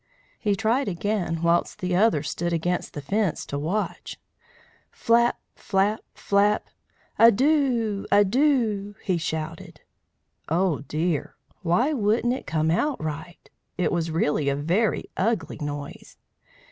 He tried again, whilst the others stood against the fence to watch. Flap, flap, flap! "Adoo! Adoo!" he shouted. Oh dear! why wouldn't it come right? It was really a very ugly noise.